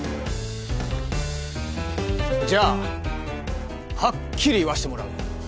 じゃあはっきり言わせてもらう。